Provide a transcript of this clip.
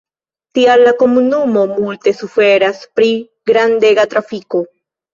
Tial la komunumo multe suferas pri grandega trafiko.